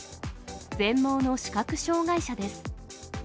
全盲の視覚障がい者です。